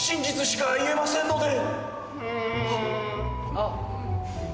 あっ。